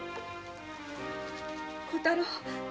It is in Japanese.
小太郎